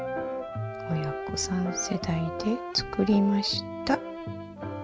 親子３世代で作りました。